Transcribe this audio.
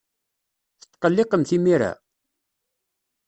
Tetqellqemt imir-a?